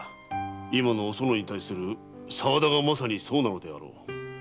今のおそのに対する沢田がまさにそうなのであろう。